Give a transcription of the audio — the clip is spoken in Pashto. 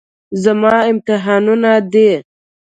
زما امتحانونه دي.